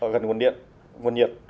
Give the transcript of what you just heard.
gần nguồn điện nguồn nhiệt